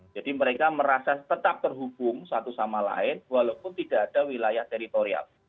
jadi mereka merasa tetap terhubung satu sama lain walaupun tidak ada wilayah teritorial